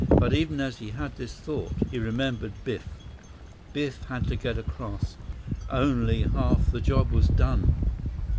But even as he had this thought, he remembered Biff. Biff had to get across. Only half the job was done.